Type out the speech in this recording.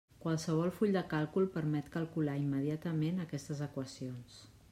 Qualsevol full de càlcul permet calcular immediatament aquestes equacions.